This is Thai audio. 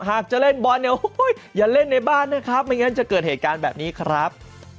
จะเล่นบอลเนี่ยอย่าเล่นในบ้านนะครับไม่งั้นจะเกิดเหตุการณ์แบบนี้ครับ